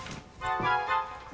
ecnya mah dah